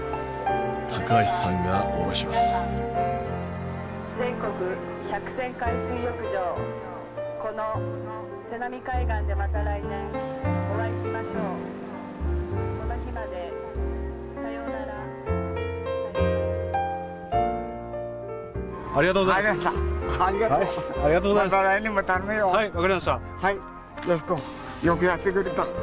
トシコよくやってくれた。